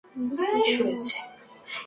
জুতো পরে নাও।